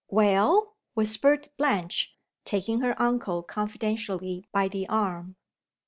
"WELL?" whispered Blanche, taking her uncle confidentially by the arm.